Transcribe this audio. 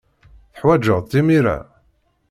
Teḥwajeḍ-tt imir-a?